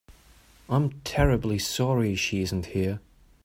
I'm terribly sorry she isn't here.